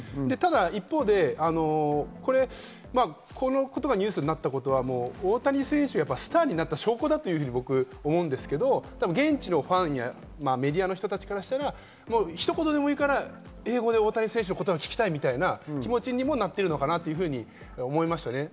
一方で、この言葉がニュースになったことは大谷選手がスターになった証拠だと思うんですけど、現地のファンやメディアの人たちからしたら、一言でもいいから英語で大谷選手の言葉が聞きたいという気持ちにもなっているのかなと思いました。